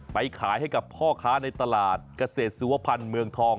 ขายให้กับพ่อค้าในตลาดเกษตรสุวพันธ์เมืองทอง